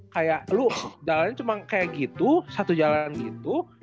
kayak lu jalannya cuma kayak gitu satu jalan gitu